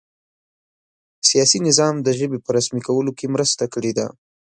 سیاسي نظام د ژبې په رسمي کولو کې مرسته کړې ده.